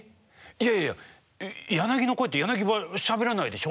いやいやヤナギの声ってヤナギはしゃべらないでしょ？